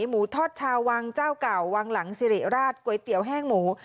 หมูทอดชาววังเจ้าเก่าวังหลังสิริราชก๋วยเตี๋ยวแห้งหมู